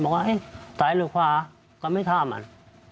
บอกว่าไอ้ใส่หรือขวาก็ไม่ทำ